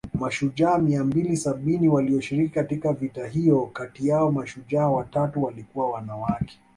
Mashujaa mia mbili sabini walioshiriki katika vita hiyo kati yao mashujaa watatu walikuwa wanawake